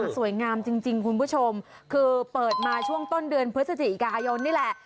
สวยงามจริงคุณผู้ชมคือเปิดมาช่วงต้นเดือนพฤศจิกายนนี่แหละ